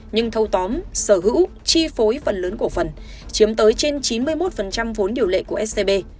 nhưng thâu tóm sở hữu chi phối phần lớn cổ phần chiếm tới trên chín mươi một vốn điều lệ của scb